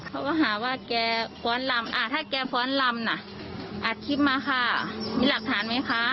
เขาก็หาว่าแกฟ้อนลำอ่าถ้าแกฟ้อนลำน่ะอัดคลิปมาค่ะมีหลักฐานไหมคะ